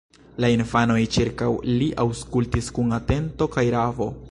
La infanoj ĉirkaŭ li aŭskultis kun atento kaj ravo.